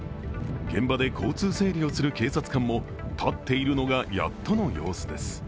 現場で交通整理をする警察官も立っているのがやっとの様子です。